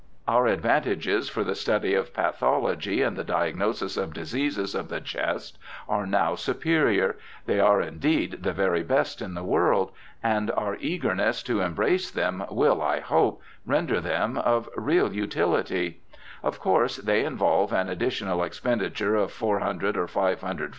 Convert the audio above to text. Our advantages for the study of pathology and the diagnosis of diseases of the chest are now superior; they are indeed the very best in the world, and our eagerness to embrace them will, I hope, render LOUIS 207 them of real utility ; of course they involve an additional expenditure of 400 or 500 fr.